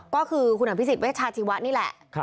ก็คือคุณหัวพิสิทธิเวชาชีวะนี่แหละ